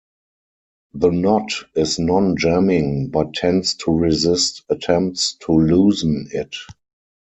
The knot is non-jamming but tends to resist attempts to loosen it.